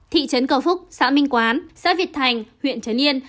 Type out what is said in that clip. thị trấn cầu phúc xã minh quán xã việt thành huyện trấn yên